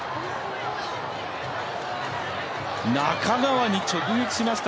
中川に直撃しました。